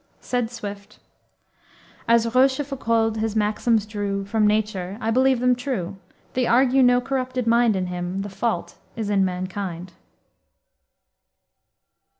Said Swift: "As Rochefoucauld his maxims drew From nature, I believe them true. They argue no corrupted mind In him; the fault is in mankind."